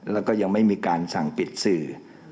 แล้วก็ยังไม่มีการสั่งปิดสื่อ